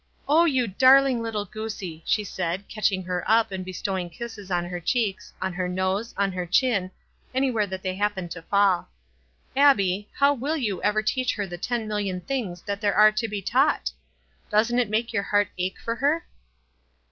"Oh, you darling little goosie," she said, catching her up, and bestowing kisses on her cheeks, on her nose, on ht r chin, anywhere that they happened to fall. "Abbie, how will you ever teach her the ten million things that there are to be taught ? Doesn't it make your heart uche for her